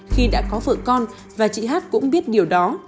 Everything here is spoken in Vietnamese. khi đã có vợ con và chị hát cũng biết điều đó